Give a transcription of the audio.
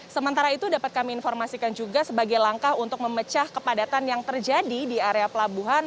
sementara itu dapat kami informasikan juga sebagai langkah untuk memecah kepadatan yang terjadi di area pelabuhan